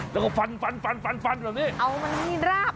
แล้วก็ฟันฟันฟันฟันฟันแบบนี้เอามันราบ